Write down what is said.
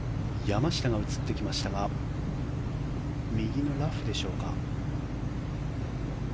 山下が映ってきましたが右のラフでしょうか。